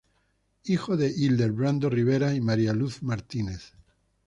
Hijo de Hildebrando Rivera y María Luz Martínez.